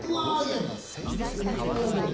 風邪ひくわゲーム。